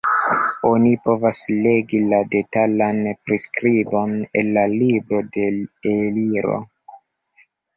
Oni povas legi la detalan priskribon en la libro de Eliro.